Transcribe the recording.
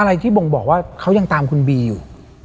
อะไรที่บ่งบอกว่าเขายังตามคุณบีอยู่